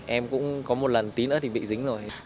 em cũng có một lần tí nữa thì bị dính rồi